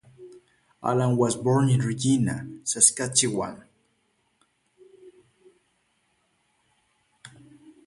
Allan was born in Regina, Saskatchewan.